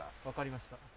分かりました。